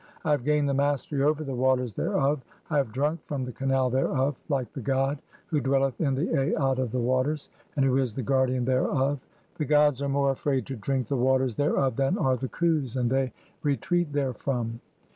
I have gained the mastery over 'the waters [thereof], I have drunk from the canal [thereof] '(8) like the god who dwelleth in the Aat of the waters, and 'who is the guardian thereof. The gods are more afraid to 'drink (9) the waters thereof than are the Khus, and they re 'treat 1 therefrom.